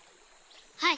はい。